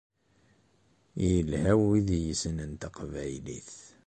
Yelha wid yessnen taqbaylit.